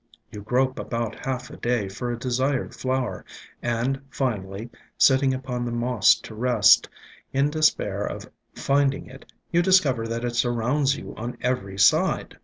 You grope about half a day for a desired flower, and finally, sitting upon the moss to rest, in despair of finding it, you discover that it surrounds you on every side.